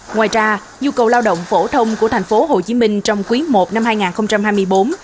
ngoài ra nhu cầu lao động phổ thông của thành phố hồ chí minh trong quý i năm hai nghìn hai mươi bốn